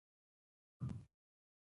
سږي کاربن ډای اکساید بهر کوي.